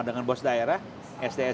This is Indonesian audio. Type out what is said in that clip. saya bisa membantu menambah bos pusat di tamu